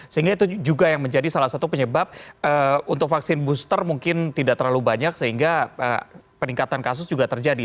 sehingga itu juga yang menjadi salah satu penyebab untuk vaksin booster mungkin tidak terlalu banyak sehingga peningkatan kasus juga terjadi